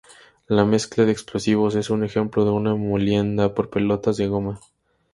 La mezcla de explosivos es un ejemplo de una molienda por pelotas de goma.